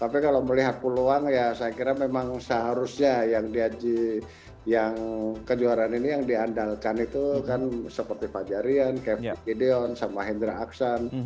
tapi kalau melihat peluang ya saya kira memang seharusnya yang diaji yang kejuaraan ini yang diandalkan itu kan seperti fajarian kevin gideon sama hendra aksan